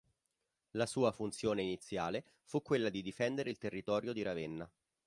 La sua funzione iniziale fu quella di difendere il territorio di Ravenna.